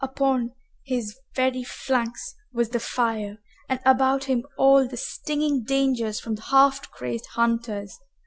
Upon his very flanks was the fire and about him all the stinging danger from the half crazed hunters.